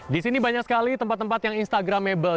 di sini banyak sekali tempat tempat yang instagramable